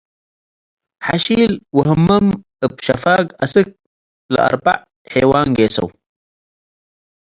ሐሺል ወህመ'ም እብ ሸፋግ አስክ ለአርበዕ ሔዋን ጌሰው።